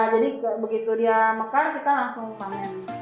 jadi begitu dia mekar kita langsung panen